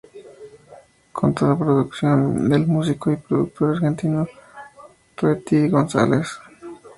Contó con la producción del músico y productor argentino Tweety González.